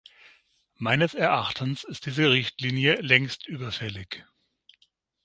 Meines Erachtens ist diese Richtlinie längst überfällig.